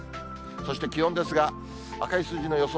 そして気温ですが、赤い数字の予想